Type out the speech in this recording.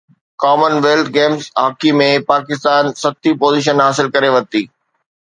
ڪمن wealth Games hockey ۾ Pakistan ستين position حاصل ڪري ورتي